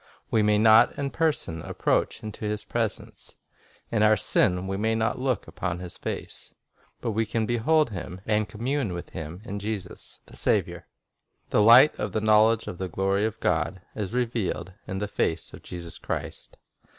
We may not in person approach into His presence; in our sin we may not look upon His face; but we can behold Him and com mune with Him in Jesus, the Saviour. "The light of the knowledge of the glory of God" is revealed "in the face of Jesus Christ."